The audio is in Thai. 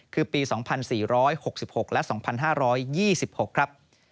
คือปี๒๔๖๖และ๒๕๒๖ครับ